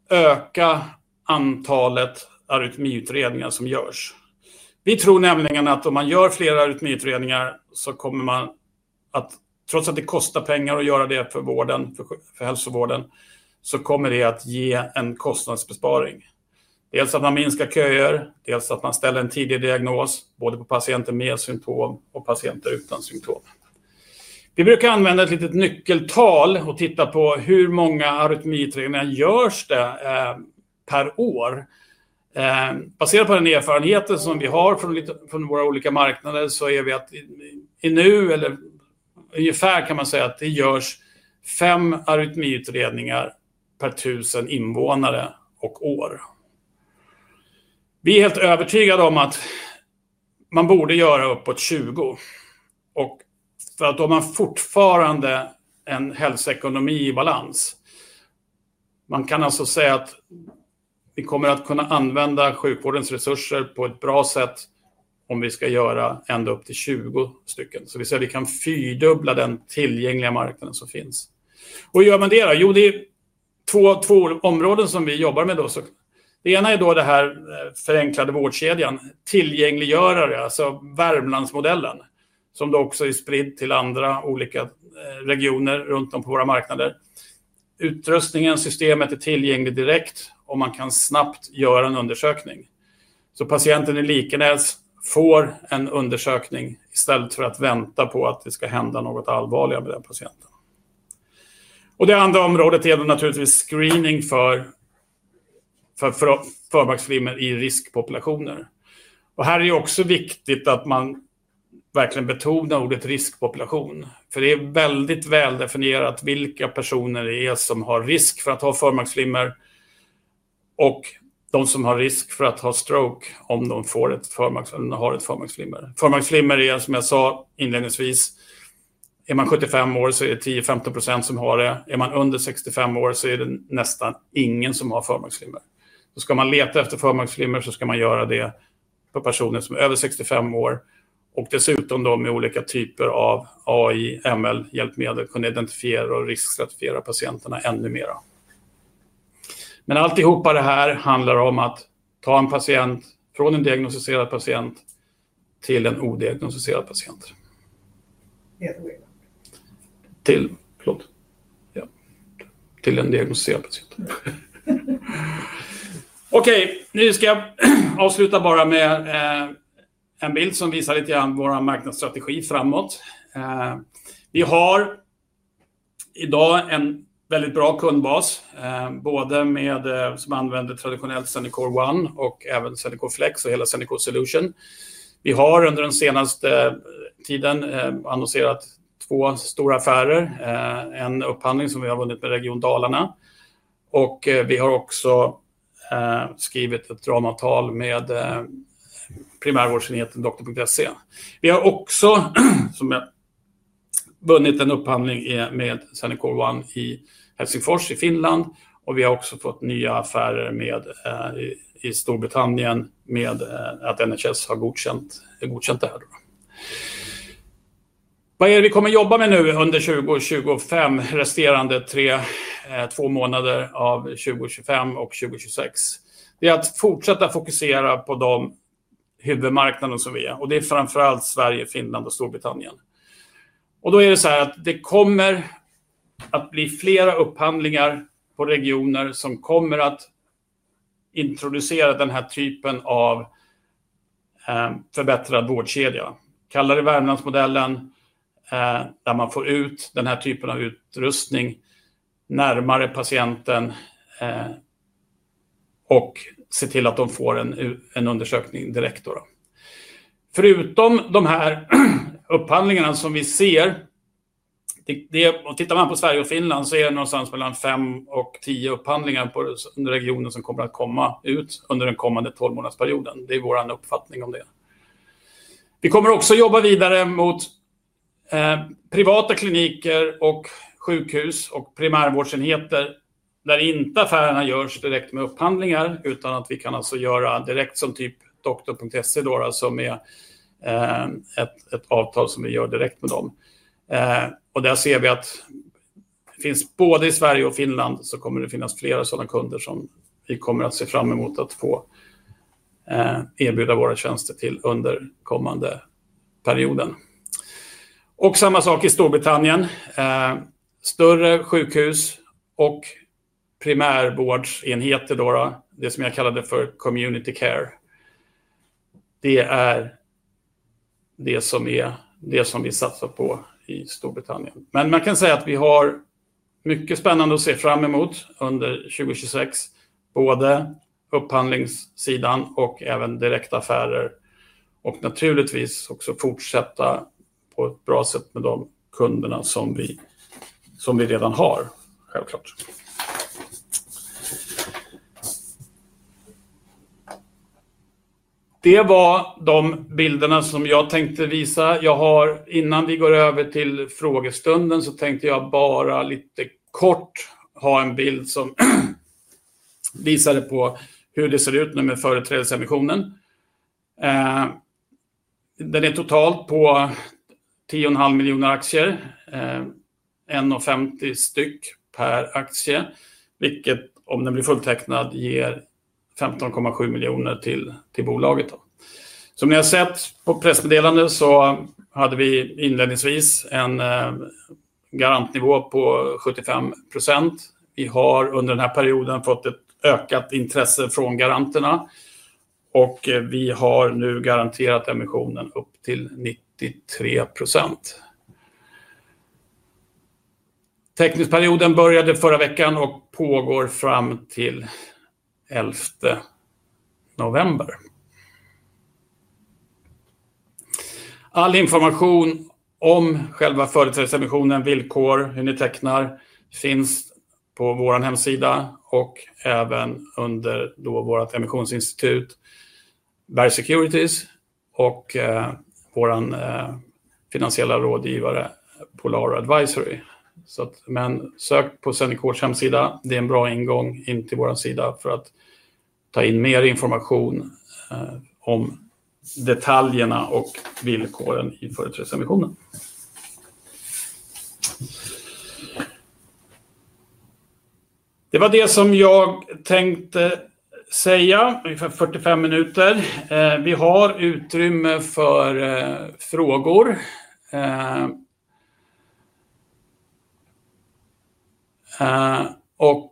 [SPEAKER 1] öka antalet arytmiutredningar som görs. Vi tror nämligen att om man gör flera arytmiutredningar så kommer man att, trots att det kostar pengar att göra det för vården, för hälsovården, så kommer det att ge en kostnadsbesparing. Dels att man minskar köer, dels att man ställer en tidig diagnos, både på patienter med symptom och patienter utan symptom. Vi brukar använda ett litet nyckeltal och titta på hur många arytmiutredningar görs det per år. Baserat på den erfarenheten som vi har från lite från våra olika marknader så är vi att i nu, eller ungefär kan man säga att det görs fem arytmiutredningar per tusen invånare och år. Vi är helt övertygade om att man borde göra uppåt 20. Och för att då har man fortfarande en hälsoekonomi i balans. Man kan alltså säga att vi kommer att kunna använda sjukvårdens resurser på ett bra sätt om vi ska göra ända upp till 20 stycken. Så vi säger att vi kan fyrdubbla den tillgängliga marknaden som finns. Och hur gör man det då? Jo, det är två områden som vi jobbar med då. Så det ena är då det här förenklade vårdkedjan, tillgängliggörare, alltså Värmlandsmodellen, som då också är spridd till andra olika regioner runt om på våra marknader. Utrustningen, systemet, är tillgänglig direkt och man kan snabbt göra en undersökning. Så patienten i Likenäs får en undersökning istället för att vänta på att det ska hända något allvarligare med den patienten. Och det andra området är då naturligtvis screening för förmaksflimmer i riskpopulationer. Och här är det också viktigt att man verkligen betonar ordet riskpopulation. För det är väldigt väldefinierat vilka personer det är som har risk för att ha förmaksflimmer. Och de som har risk för att ha stroke om de får ett förmaksflimmer eller har ett förmaksflimmer. Förmaksflimmer är, som jag sa inledningsvis. Är man 75 år så är det 10-15% som har det. Är man under 65 år så är det nästan ingen som har förmaksflimmer. Så ska man leta efter förmaksflimmer så ska man göra det på personer som är över 65 år. Och dessutom då med olika typer av AI, ML-hjälpmedel kunna identifiera och riskstratifiera patienterna ännu mer. Men alltihopa det här handlar om att ta en patient från en diagnostiserad patient till en odiagnostiserad patient. Till, förlåt, ja, till en diagnostiserad patient. Okej, nu ska jag avsluta bara med en bild som visar lite grann vår marknadsstrategi framåt. Vi har idag en väldigt bra kundbas, både med som använder traditionellt Zenicor One och även Zenicor Flex och hela Zenicor Solution. Vi har under den senaste tiden annonserat två stora affärer. En upphandling som vi har vunnit med Region Dalarna. Och vi har också skrivit ett ramavtal med primärvårdsenheten doktor.se. Vi har också, som jag vunnit en upphandling med Zenicor One i Helsingfors i Finland. Och vi har också fått nya affärer med i i Storbritannien med att NHS har godkänt det här då. Vad är det vi kommer jobba med nu under 2025, resterande tre två månader av 2025 och 2026? Det är att fortsätta fokusera på de huvudmarknader som vi är. Och det är framförallt Sverige, Finland och Storbritannien. Och då är det så här att det kommer att bli flera upphandlingar på regioner som kommer att introducera den här typen av förbättrad vårdkedja. Kalla det Värmlandsmodellen. Där man får ut den här typen av utrustning närmare patienten. Och ser till att de får en undersökning direkt då. Förutom de här upphandlingarna som vi ser. Det är, och tittar man på Sverige och Finland så är det någonstans mellan fem och tio upphandlingar under regionen som kommer att komma ut under den kommande tolvmånadsperioden. Det är vår uppfattning om det. Vi kommer också jobba vidare mot privata kliniker och sjukhus och primärvårdsenheter där inte affärerna görs direkt med upphandlingar utan att vi kan alltså göra direkt som typ doktor.se då, som är ett ett avtal som vi gör direkt med dem. Och där ser vi att det finns både i Sverige och Finland så kommer det finnas flera sådana kunder som vi kommer att se fram emot att få erbjuda våra tjänster till under kommande perioden. Och samma sak i Storbritannien. Större sjukhus och primärvårdsenheter då, det som jag kallade för community care. Det är det som är det som vi satsar på i Storbritannien. Men man kan säga att vi har mycket spännande att se fram emot under 2026. Både upphandlingssidan och även direktaffärer. Och naturligtvis också fortsätta på ett bra sätt med de kunderna som vi som vi redan har, självklart. Det var de bilderna som jag tänkte visa. Jag har, innan vi går över till frågestunden, så tänkte jag bara lite kort ha en bild som visade på hur det ser ut nu med företrädesemissionen. Den är totalt på 10,5 miljoner aktier. 1,50 styck per aktie. Vilket, om den blir fulltecknad, ger 15,7 miljoner till till bolaget. Som ni har sett på pressmeddelandet så hade vi inledningsvis en garantnivå på 75%. Vi har under den här perioden fått ett ökat intresse från garanterna. Och vi har nu garanterat emissionen upp till 93%. Teknisk perioden började förra veckan och pågår fram till 11. November. All information om själva företrädesemissionen, villkor, hur ni tecknar, finns på vår hemsida och även under då vårt emissionsinstitut Berg Securities och vår finansiella rådgivare Polaro Advisory. Så att, men sök på Zenicors hemsida. Det är en bra ingång in till vår sida för att ta in mer information om detaljerna och villkoren i företrädesemissionen. Det var det som jag tänkte säga, ungefär 45 minuter. Vi har utrymme för frågor. Och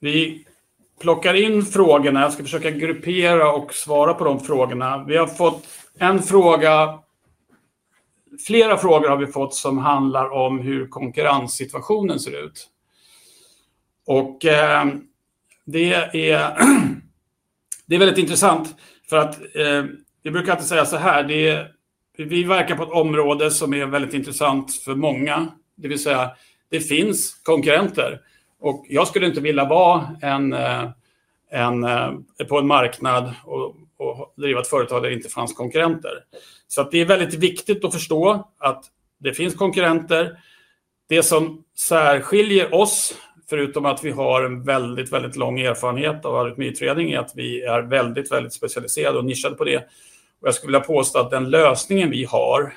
[SPEAKER 1] vi plockar in frågorna. Jag ska försöka gruppera och svara på de frågorna. Vi har fått en fråga. Flera frågor har vi fått som handlar om hur konkurrenssituationen ser ut. Och det är väldigt intressant för att vi brukar alltid säga så här: det är vi verkar på ett område som är väldigt intressant för många. Det vill säga, det finns konkurrenter. Och jag skulle inte vilja vara en på en marknad och driva ett företag där det inte fanns konkurrenter. Så att det är väldigt viktigt att förstå att det finns konkurrenter. Det som särskiljer oss, förutom att vi har en väldigt, väldigt lång erfarenhet av arytmiutredning, är att vi är väldigt, väldigt specialiserade och nischade på det. Och jag skulle vilja påstå att den lösningen vi har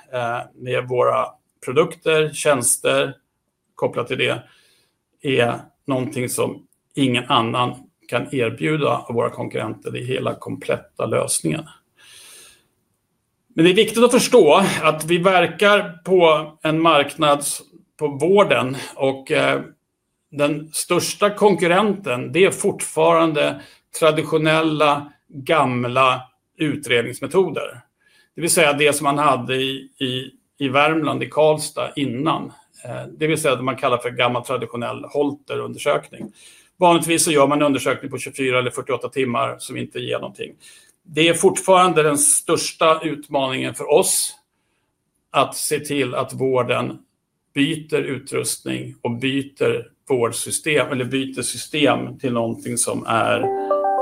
[SPEAKER 1] med våra produkter, tjänster kopplat till det. Är någonting som ingen annan kan erbjuda av våra konkurrenter i hela kompletta lösningen. Men det är viktigt att förstå att vi verkar på en marknad på vården. Och den största konkurrenten, det är fortfarande traditionella gamla utredningsmetoder. Det vill säga, det som man hade i i i Värmland, i Karlstad innan. Det vill säga det man kallar för gammal traditionell Holterundersökning. Vanligtvis så gör man en undersökning på 24 eller 48 timmar som inte ger någonting. Det är fortfarande den största utmaningen för oss. Att se till att vården byter utrustning och byter vårdsystem eller byter system till någonting som är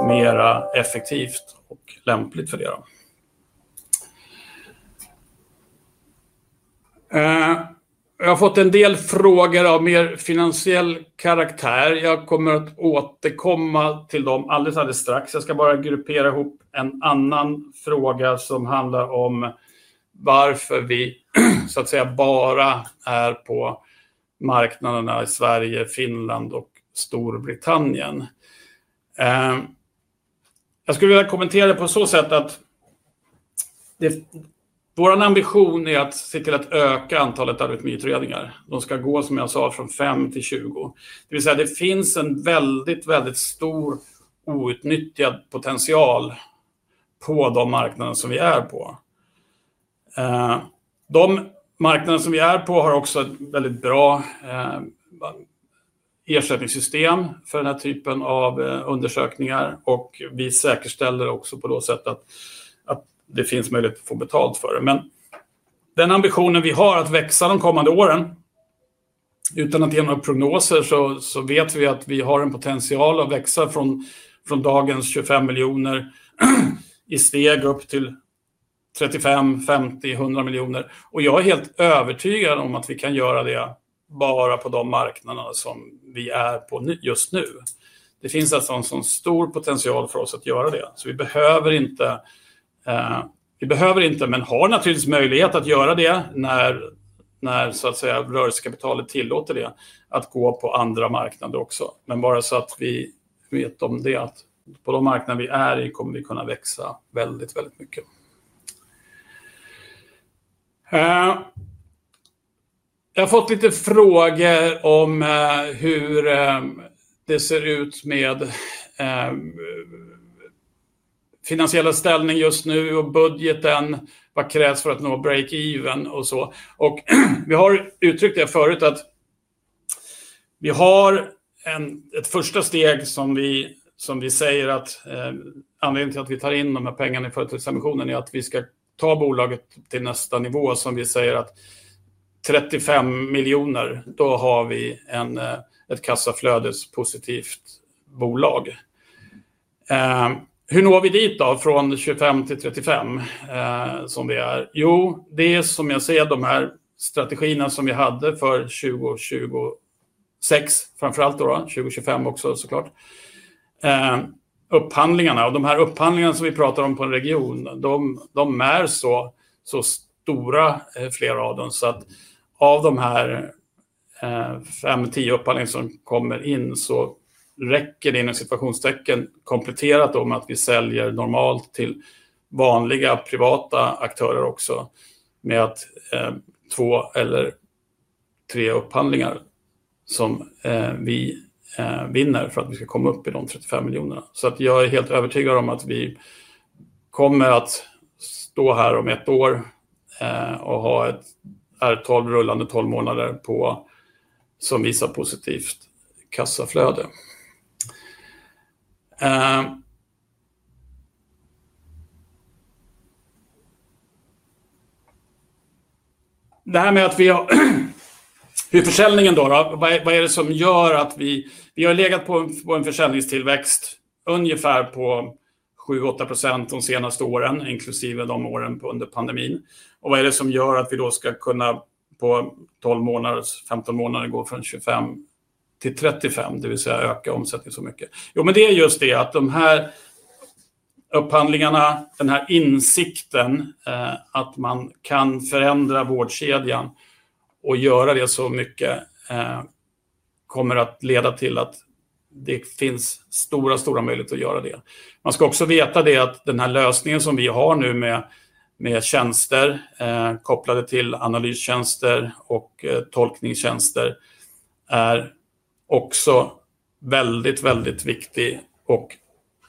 [SPEAKER 1] mer effektivt och lämpligt för det. Jag har fått en del frågor av mer finansiell karaktär. Jag kommer att återkomma till dem alldeles alldeles strax. Jag ska bara gruppera ihop en annan fråga som handlar om varför vi så att säga bara är på marknaderna i Sverige, Finland och Storbritannien. Jag skulle vilja kommentera det på så sätt att vår ambition är att se till att öka antalet arytmiutredningar. De ska gå, som jag sa, från 5 till 20. Det vill säga, det finns en väldigt, väldigt stor outnyttjad potential på de marknader som vi är på. De marknader som vi är på har också ett väldigt bra ersättningssystem för den här typen av undersökningar. Och vi säkerställer också på då sätt att att det finns möjlighet att få betalt för det. Men den ambitionen vi har att växa de kommande åren. Utan att ge några prognoser, så så vet vi att vi har en potential att växa från från dagens 25 miljoner i steg upp till 35, 50, 100 miljoner. Och jag är helt övertygad om att vi kan göra det bara på de marknader som vi är på just nu. Det finns alltså en sån stor potential för oss att göra det. Så vi behöver inte, vi behöver inte, men har naturligtvis möjlighet att göra det när när så att säga rörelsekapitalet tillåter det att gå på andra marknader också. Men bara så att vi vet om det, att på de marknader vi är i kommer vi kunna växa väldigt, väldigt mycket. Jag har fått lite frågor om hur det ser ut med finansiella ställning just nu och budgeten. Vad krävs för att nå break-even och så. Och vi har uttryckt det förut att vi har ett första steg som vi som vi säger att anledningen till att vi tar in de här pengarna i företrädesemissionen är att vi ska ta bolaget till nästa nivå som vi säger att 35 miljoner, då har vi en ett kassaflödespositivt bolag. Hur når vi dit då från 25 till 35 som vi är? Jo, det är som jag säger, de här strategierna som vi hade för 2026, framförallt då då 2025 också såklart. Upphandlingarna, och de här upphandlingarna som vi pratar om på en region, de de är så så stora flera av dem. Så att av de här 5-10 upphandlingar som kommer in så räcker det inom situationstecken kompletterat då med att vi säljer normalt till vanliga privata aktörer också med att två eller tre upphandlingar som vi vinner för att vi ska komma upp i de 35 miljonerna. Så att jag är helt övertygad om att vi kommer att stå här om ett år och ha ett är tolv rullande tolv månader på som visar positivt kassaflöde. Det här med att vi har hur försäljningen då, vad är det som gör att vi vi har legat på en försäljningstillväxt ungefär på 7-8% de senaste åren, inklusive de åren under pandemin. Och vad är det som gör att vi då ska kunna på 12 månader, 15 månader gå från 25 till 35, det vill säga öka omsättningen så mycket. Jo, men det är just det att de här upphandlingarna, den här insikten att man kan förändra vårdkedjan och göra det så mycket kommer att leda till att det finns stora, stora möjligheter att göra det. Man ska också veta det att den här lösningen som vi har nu med med tjänster kopplade till analystjänster och tolkningstjänster är också väldigt, väldigt viktig och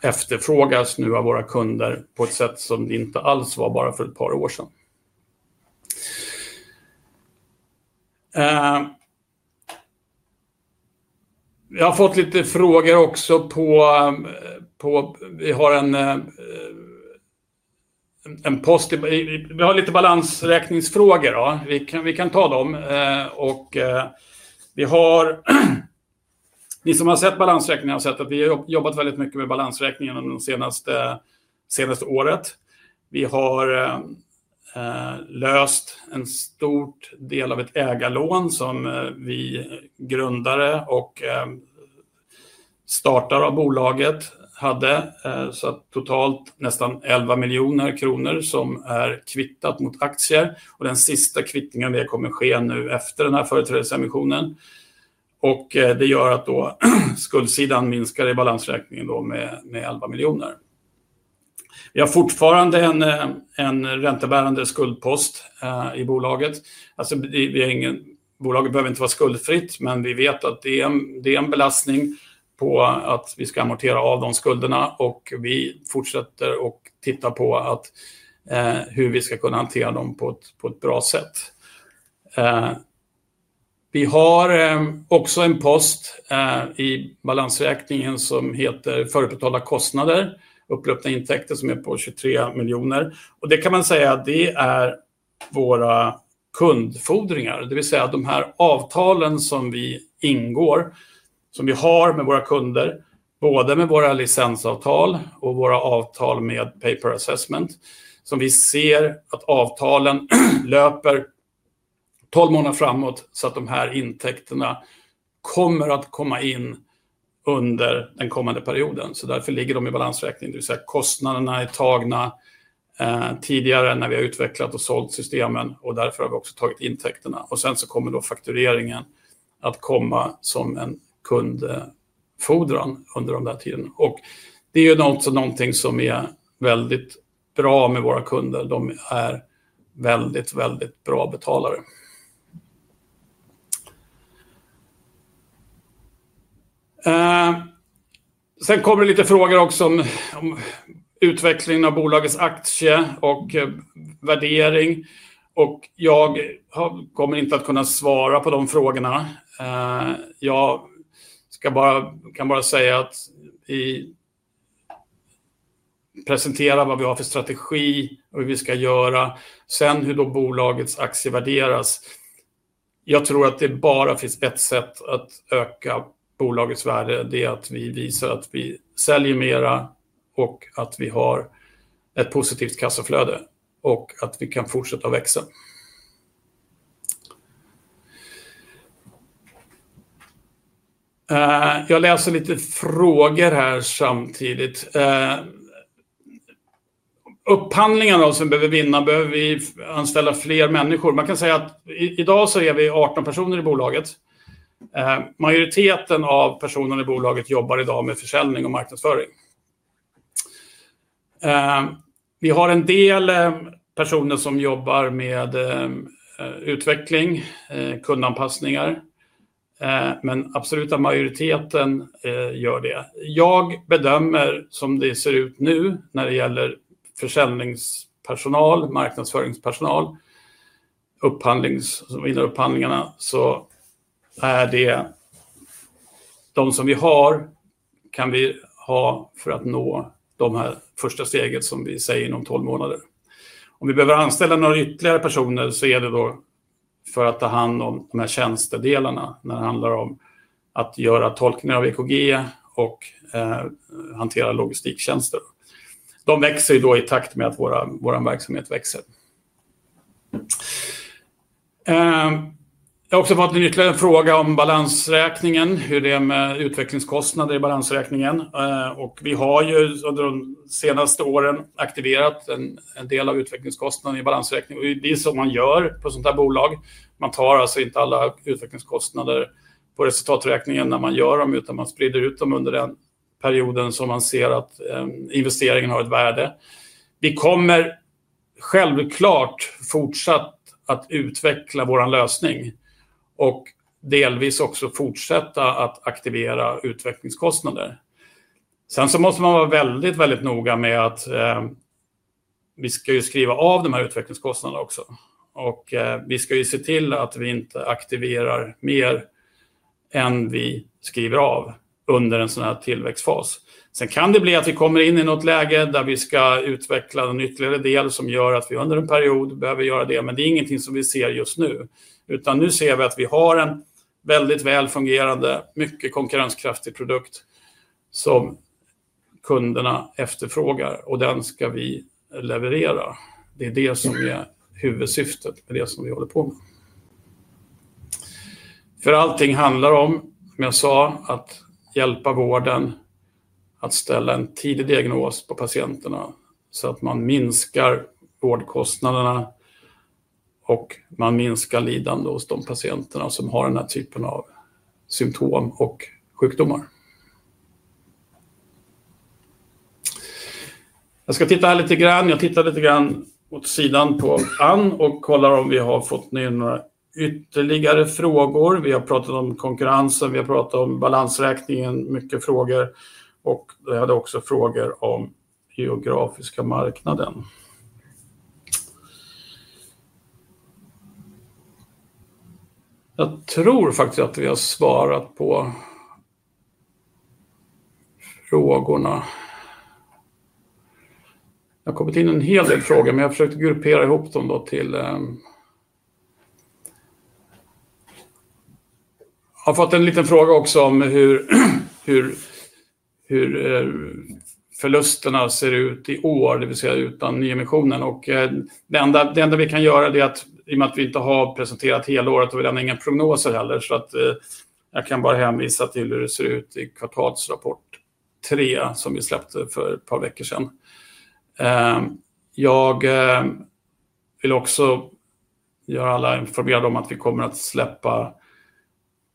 [SPEAKER 1] efterfrågas nu av våra kunder på ett sätt som det inte alls var bara för ett par år sedan. Jag har fått lite frågor också på vi har en post i, vi har lite balansräkningsfrågor då. Vi kan ta dem. Och vi har ni som har sett balansräkningen har sett att vi har jobbat väldigt mycket med balansräkningen under det senaste året. Vi har löst en stor del av ett ägarlån som vi grundare och startare av bolaget hade. Så totalt nästan 11 miljoner kronor som är kvittat mot aktier. Och den sista kvittningen det kommer ske nu efter den här företrädesemissionen. Och det gör att då skuldsidan minskar i balansräkningen då med 11 miljoner. Vi har fortfarande en en räntebärande skuldpost i bolaget. Alltså vi har ingen, bolaget behöver inte vara skuldfritt, men vi vet att det är en belastning på att vi ska amortera av de skulderna. Och vi fortsätter och tittar på att hur vi ska kunna hantera dem på ett bra sätt. Vi har också en post i balansräkningen som heter förutbetalda kostnader, upplöpta intäkter som är på 23 miljoner. Och det kan man säga att det är våra kundfordringar. Det vill säga att de här avtalen som vi ingår, som vi har med våra kunder, både med våra licensavtal och våra avtal med paper assessment, som vi ser att avtalen löper tolv månader framåt, så att de här intäkterna kommer att komma in under den kommande perioden. Så därför ligger de i balansräkningen. Det vill säga kostnaderna är tagna tidigare när vi har utvecklat och sålt systemen, och därför har vi också tagit intäkterna. Och sen så kommer då faktureringen att komma som en kundfordran under den här tiden. Och det är ju någonting som är väldigt bra med våra kunder. De är väldigt, väldigt bra betalare. Sen kommer det lite frågor också om utvecklingen av bolagets aktie och värdering. Och jag kommer inte att kunna svara på de frågorna. Jag ska bara, kan bara säga att i presentera vad vi har för strategi och hur vi ska göra. Sen hur då bolagets aktie värderas. Jag tror att det bara finns ett sätt att öka bolagets värde. Det är att vi visar att vi säljer mera och att vi har ett positivt kassaflöde och att vi kan fortsätta att växa. Jag läser lite frågor här samtidigt. Upphandlingarna som behöver vinna, behöver vi anställa fler människor. Man kan säga att idag så är vi 18 personer i bolaget. Majoriteten av personerna i bolaget jobbar idag med försäljning och marknadsföring. Vi har en del personer som jobbar med utveckling, kundanpassningar. Men absoluta majoriteten gör det. Jag bedömer som det ser ut nu när det gäller försäljningspersonal, marknadsföringspersonal inom upphandlingarna, så är det de som vi har kan vi ha för att nå de här första steget som vi säger inom tolv månader. Om vi behöver anställa några ytterligare personer så är det då för att ta hand om de här tjänstedelarna när det handlar om att göra tolkningar av EKG och hantera logistiktjänster. De växer ju då i takt med att vår verksamhet växer. Jag har också fått en ytterligare fråga om balansräkningen, hur det är med utvecklingskostnader i balansräkningen. Och vi har ju under de senaste åren aktiverat en del av utvecklingskostnader i balansräkningen. Och det är det som man gör på ett sånt här bolag. Man tar alltså inte alla utvecklingskostnader på resultaträkningen när man gör dem, utan man sprider ut dem under den perioden som man ser att investeringen har ett värde. Vi kommer självklart fortsatt att utveckla vår lösning och delvis också fortsätta att aktivera utvecklingskostnader. Sen så måste man vara väldigt, väldigt noga med att vi ska ju skriva av de här utvecklingskostnaderna också. Och vi ska ju se till att vi inte aktiverar mer än vi skriver av under en sån här tillväxtfas. Sen kan det bli att vi kommer in i något läge där vi ska utveckla en ytterligare del som gör att vi under en period behöver göra det. Men det är ingenting som vi ser just nu. Utan nu ser vi att vi har en väldigt väl fungerande, mycket konkurrenskraftig produkt som kunderna efterfrågar. Och den ska vi leverera. Det är det som är huvudsyftet med det som vi håller på med. För allting handlar om, som jag sa, att hjälpa vården att ställa en tidig diagnos på patienterna så att man minskar vårdkostnaderna. Och man minskar lidande hos de patienterna som har den här typen av symptom och sjukdomar. Jag ska titta här lite grann. Jag tittar lite grann åt sidan på Ann och kollar om vi har fått ner några ytterligare frågor. Vi har pratat om konkurrensen. Vi har pratat om balansräkningen. Mycket frågor. Och jag hade också frågor om geografiska marknaden. Jag tror faktiskt att vi har svarat på frågorna. Det har kommit in en hel del frågor, men jag försökte gruppera ihop dem då till. Jag har fått en liten fråga också om hur förlusterna ser ut i år, det vill säga utan nyemissionen. Och det enda vi kan göra, det är att i och med att vi inte har presenterat hela året, då har vi redan inga prognoser heller. Så att jag kan bara hänvisa till hur det ser ut i kvartalsrapport tre som vi släppte för ett par veckor sedan. Jag vill också göra alla informerade om att vi kommer att släppa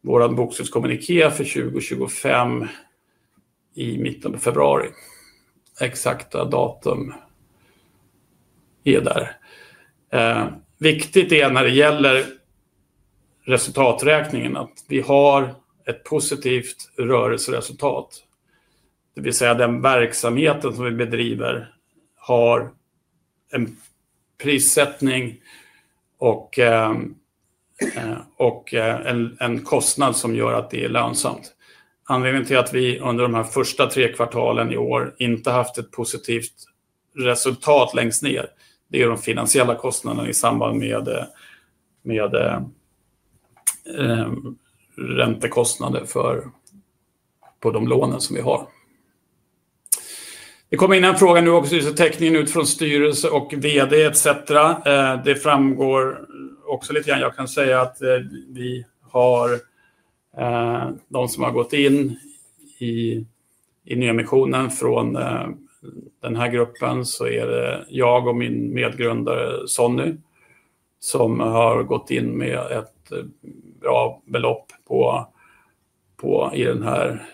[SPEAKER 1] vår bokslutskommuniké för 2025 i mitten på februari. Exakta datum är där. Viktigt är när det gäller resultaträkningen att vi har ett positivt rörelseresultat. Det vill säga att den verksamheten som vi bedriver har en prissättning och en kostnad som gör att det är lönsamt. Anledningen till att vi under de här första tre kvartalen i år inte haft ett positivt resultat längst ner, det är ju de finansiella kostnaderna i samband med räntekostnader för på de lånen som vi har. Det kommer in en fråga nu också, det är så teckning ut från styrelse och vd etc. Det framgår också lite grann, jag kan säga att vi har de som har gått in i nyemissionen från den här gruppen så är det jag och min medgrundare Sonny som har gått in med ett bra belopp på i den här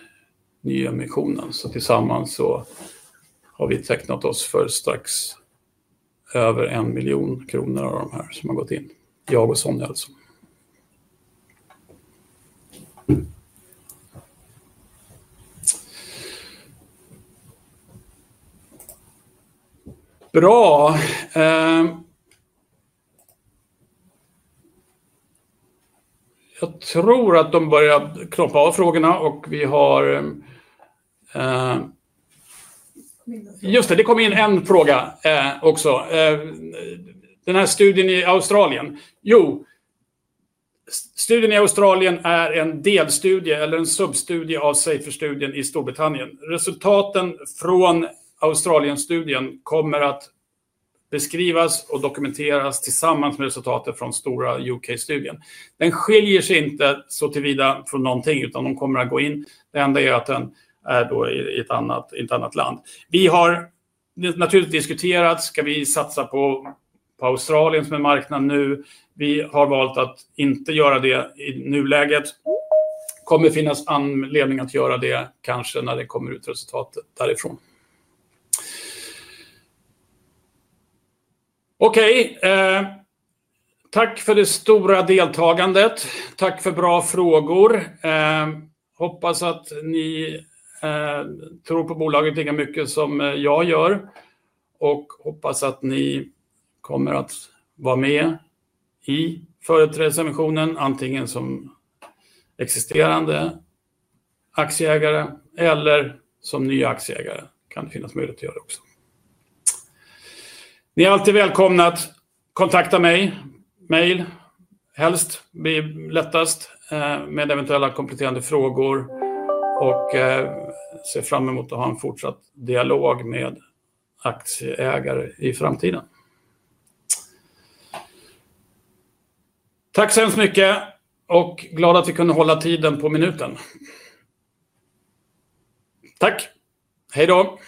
[SPEAKER 1] nyemissionen. Så tillsammans så har vi tecknat oss för strax över en miljon kronor av de här som har gått in. Jag och Sonny alltså. Bra. Jag tror att de börjar knoppa av frågorna och vi har. Just det, det kom in en fråga också. Den här studien i Australien. Jo. Studien i Australien är en delstudie eller en substudie av Safer-studien i Storbritannien. Resultaten från Australienstudien kommer att beskrivas och dokumenteras tillsammans med resultatet från stora UK-studien. Den skiljer sig inte så till vida från någonting, utan de kommer att gå in. Det enda är att den är då i ett annat land. Vi har naturligtvis diskuterat, ska vi satsa på Australien som är marknaden nu. Vi har valt att inte göra det i nuläget. Det kommer finnas anledning att göra det kanske när det kommer ut resultatet därifrån. Okej. Tack för det stora deltagandet. Tack för bra frågor. Hoppas att ni tror på bolaget lika mycket som jag gör. Och hoppas att ni kommer att vara med i företrädesemissionen, antingen som existerande aktieägare eller som nya aktieägare. Kan det finnas möjlighet att göra det också. Ni är alltid välkomna att kontakta mig. Mejl helst blir lättast med eventuella kompletterande frågor. Och ser fram emot att ha en fortsatt dialog med aktieägare i framtiden. Tack så hemskt mycket och glada att vi kunde hålla tiden på minuten. Tack, hej då.